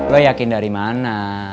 lo yakin dari mana